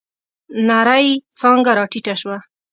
نرۍ څانگه راټيټه شوه.